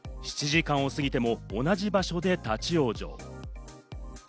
７時間を過ぎても同じ場所で立ち往生。